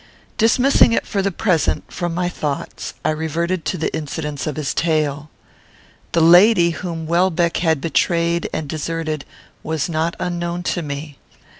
Dismissing it, for the present, from my thoughts, I reverted to the incidents of his tale. The lady whom Welbeck had betrayed and deserted was not unknown to me.